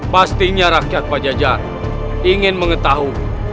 pastinya rakyat pajajar ingin mengetahui